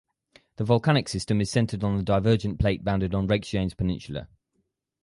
The volcanic system is centered on the divergent plate boundary on Reykjanes peninsula.